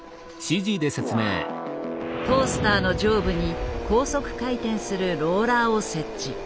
トースターの上部に高速回転するローラーを設置。